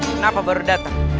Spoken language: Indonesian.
kenapa baru datang